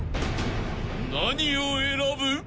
［何を選ぶ？］